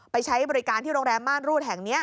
ใช้บริการที่โรงแรมม่านรูดแห่งนี้